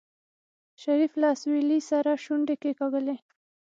شريف له اسويلي سره شونډې کېکاږلې.